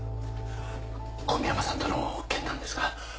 古宮山さんとの件なんですが。